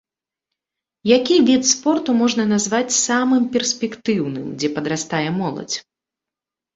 Які від спорту можна назваць самым перспектыўным, дзе падрастае моладзь?